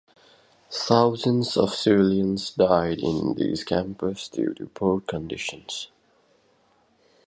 Thousands of civilians died in these camps due to poor conditions.